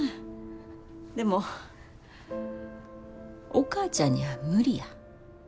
でもお母ちゃんには無理や。